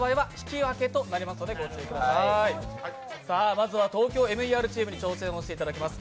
まずは「ＴＯＫＹＯＭＥＲ」チームに挑戦していただきます。